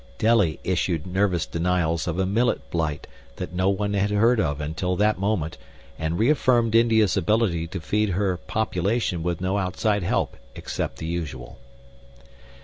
Delhi issued nervous denials of a millet blight that no one had heard of until that moment and reaffirmed India's ability to feed her population with no outside help except the usual.